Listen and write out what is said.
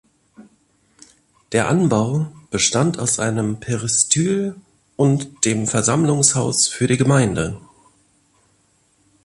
Der Anbau bestand aus einem Peristyl und dem Versammlungshaus für die Gemeinde.